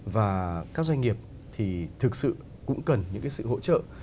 và các doanh nghiệp thì thực sự cũng cần những cái sự hỗ trợ